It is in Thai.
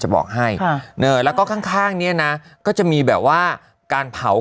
บอกให้แล้วก็ข้างข้างเนี่ยนะก็จะมีแบบว่าการเผา